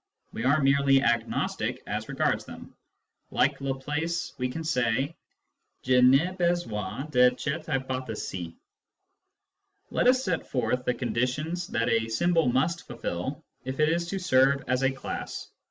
We are merely agnostic as regards them : like Laplace, we can say, " je n'ai pas besoin de cette hypoth&se." Let us set forth the conditions that a symbol must fulfil if it is to serve as a class.